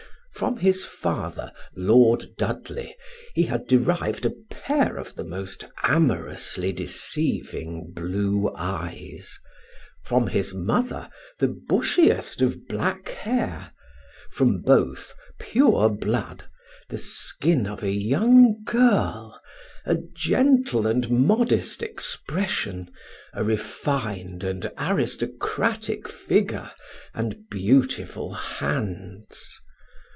From his father, Lord Dudley, he had derived a pair of the most amorously deceiving blue eyes; from his mother the bushiest of black hair, from both pure blood, the skin of a young girl, a gentle and modest expression, a refined and aristocratic figure, and beautiful hands.